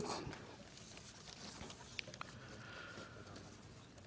yang mulia mahkamah konstitusi dan hadirin sekali yang saya muliakan